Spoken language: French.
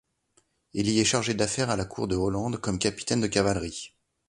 Il y est chargé d'affaire à la Cour de Hollande comme capitaine de cavalerie.